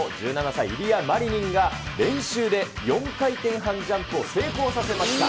１７歳、イリア・マリニンが練習で４回転半ジャンプを成功させました。